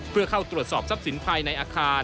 เพื่อเข้าตรวจสอบทรัพย์สินภายในอาคาร